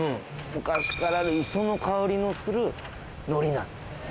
昔からある磯の香りのする海苔。